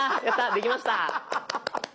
できました！